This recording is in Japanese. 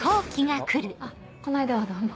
あこの間はどうも。